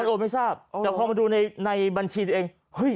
ตอนโอนไม่ทราบแต่พอมาดูในบัญชีเอง